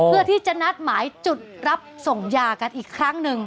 เพื่อที่จะนัดหมายจุดรับส่งยากันอีกครั้งหนึ่ง